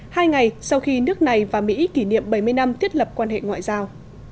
hai ngày sau khi nước này và mỹ kỷ niệm bảy mươi năm thiết lập quan hệ ngoại giao